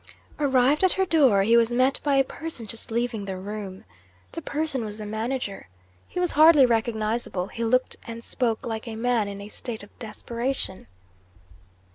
Arrived at her door, he was met by a person just leaving the room. The person was the manager. He was hardly recognisable; he looked and spoke like a man in a state of desperation.